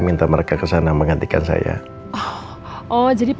pinter banget sih ini anaknya mama andin